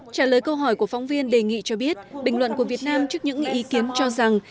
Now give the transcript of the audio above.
trả lời câu hỏi của phóng viên đề nghị cho biết bình luận của việt nam trước những ý kiến cho rằng